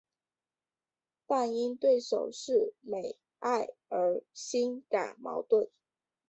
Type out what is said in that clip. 但因对手是美爱而心感矛盾。